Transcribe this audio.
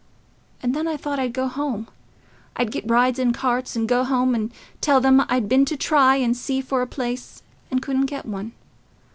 And then I thought I'd go home—I'd get rides in carts and go home and tell 'em I'd been to try and see for a place, and couldn't get one.